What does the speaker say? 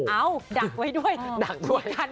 เอ้าดักไว้ด้วยดักด้วย